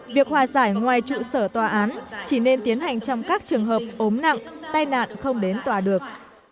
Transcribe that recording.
việc hòa giải ngoài trụ sở tòa án chỉ nên tiến hành trong các trường hợp ốm nặng tai nạn không đến tòa được